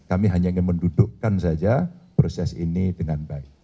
kami hanya ingin mendudukkan saja proses ini dengan baik